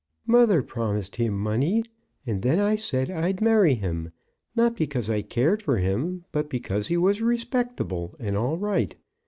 Mother promised him money; and then I said I'd marry him, not because I cared for him, but because he was respectable and all right.